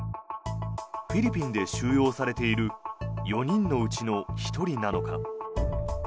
フィリピンで収容されている４人のうちの１人なのか。